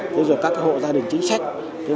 đặc biệt các cái hộ gia đình chính sách